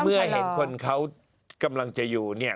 เมื่อเห็นคนเขากำลังจะอยู่เนี่ย